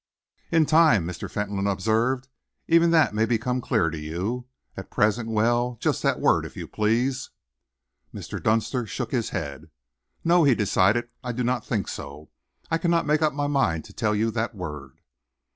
"In time," Mr. Fentolin observed, "even that may become clear to you. At present, well just that word, if you please?" Mr. Dunster shook his head. "No," he decided, "I do not think so. I cannot make up my mind to tell you that word."